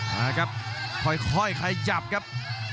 มาครับค่อยขยับครับ